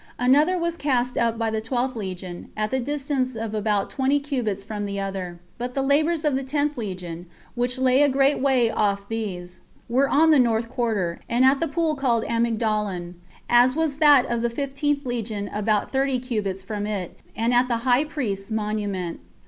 Another was cast up by the twelfth legion, at the distance of about twenty cubits from the other. But the labors of the tenth legion, which lay a great way off these, were on the north quarter, and at the pool called Amygdalon; as was that of the fifteenth legion about thirty cubits from it, and at the high priest's monument.